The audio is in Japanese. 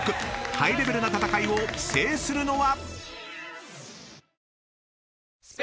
ハイレベルな戦いを制するのは？］